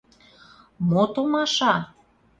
Мо, томаша?!.